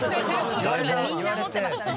みんな思ってましたね。